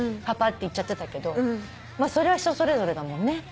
パパって言っちゃってたけどそれは人それぞれだもんね。